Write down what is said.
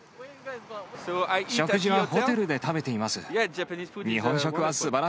食事はホテルで食べています。